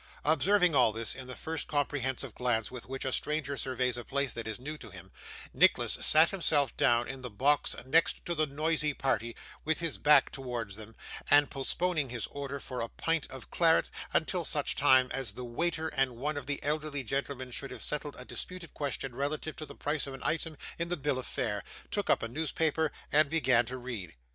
Observing all this in the first comprehensive glance with which a stranger surveys a place that is new to him, Nicholas sat himself down in the box next to the noisy party, with his back towards them, and postponing his order for a pint of claret until such time as the waiter and one of the elderly gentlemen should have settled a disputed question relative to the price of an item in the bill of fare, took up a newspaper and began to read.